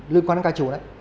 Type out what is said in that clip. lưu quan ca chủ đấy